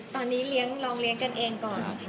ตอนนี้ลองเลี้ยงกันเองก่อน